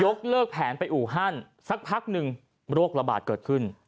เลิกแผนไปอู่ฮั่นสักพักหนึ่งโรคระบาดเกิดขึ้น